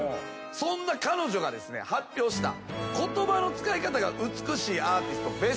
そんな彼女が発表した言葉の使い方が美しいアーティストベスト３。